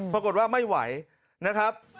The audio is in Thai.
ปรากฏว่าไม่ไหวนะครับ